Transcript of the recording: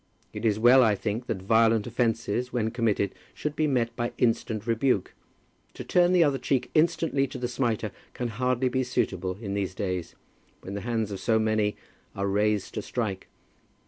It is well, I think, that violent offences, when committed, should be met by instant rebuke. To turn the other cheek instantly to the smiter can hardly be suitable in these days, when the hands of so many are raised to strike.